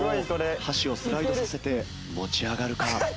箸をスライドさせて持ち上がるか？